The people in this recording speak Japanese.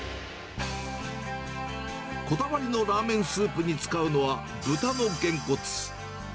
こだわりのラーメンスープに使うのは、豚のゲンコツ。